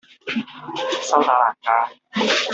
修打蘭街